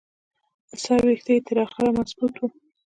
د سر ویښته یې تر اخره مضبوط وو.